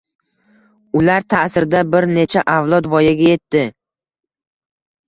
Ular ta`sirida bir necha avlod voyaga etdi